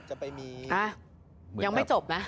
อะยังไม่จบนะ